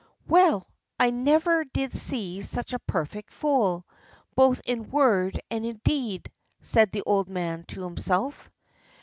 "Well! I never did see such a perfect fool, both in word and in deed," said the old man to himself.